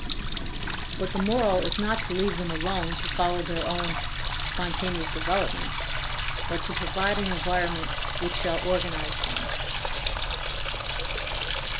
But the moral is not to leave them alone to follow their own "spontaneous development," but to provide an environment which shall organize them.